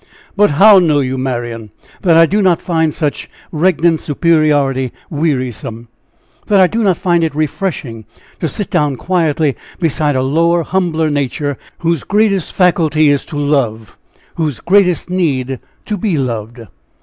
But how know you, Marian, that I do not find such regnant superiority wearisome? that I do not find it refreshing to sit down quietly beside a lower, humbler nature, whose greatest faculty is to love, whose greatest need to be loved!"